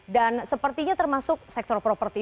dan sepertinya termasuk sektor properti